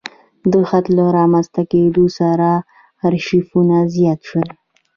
د خط له رامنځته کېدو سره ارشیفونه زیات شول.